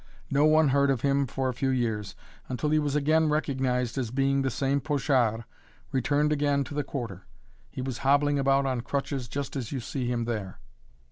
No one heard of him for a few years, until he was again recognized as being the same Pochard returned again to the Quarter. He was hobbling about on crutches just as you see him there.